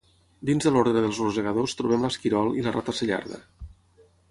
Dins de l'ordre dels rosegadors, trobem l'esquirol i la rata cellarda.